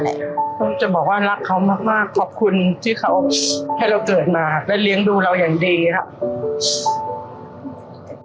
เขาจะบอกว่ารักเขามากขอบคุณที่เขาให้เราเกิดมาและเลี้ยงดูเราอย่างดีครับ